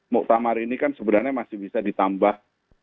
muktamar ini kan sebenarnya masih bisa ditambah